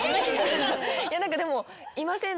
何かでもいません？